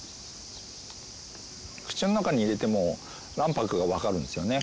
口の中に入れても卵白がわかるんですよね。